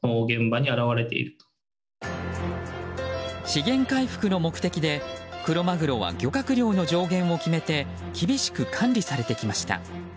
資源回復の目的でクロマグロは漁獲量の上限を決めて厳しく管理されてきました。